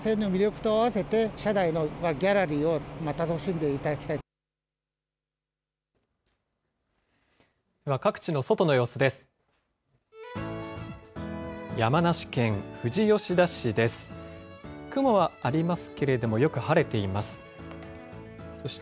では、各地の外の様子です。